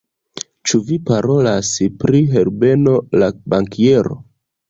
Ĉu vi parolas pri Herbeno la bankiero?